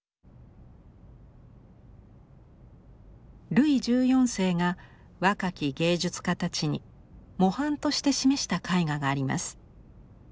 ルイ１４世が若き芸術家たちに模範として示した絵画があります。